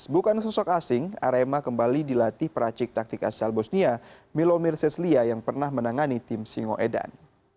bukan sosok asing arema kembali dilatih peracik taktik asal bosnia milomir ceslia yang pernah menangani tim singoedan